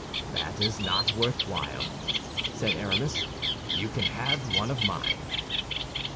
"That is not worth while," said Aramis, "you can have one of mine."